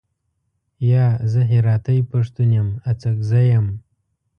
یا، زه هراتۍ پښتون یم، اڅګزی یم.